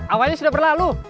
awannya sudah berlalu